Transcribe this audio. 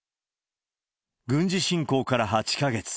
軍事侵攻から８か月。